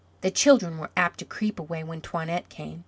The children were apt to creep away when Toinette came.